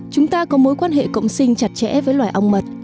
chúng ta có mối quan hệ cộng sinh chặt chẽ với loài ong mật